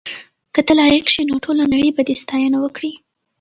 که ته لایق شې نو ټوله نړۍ به دې ستاینه وکړي.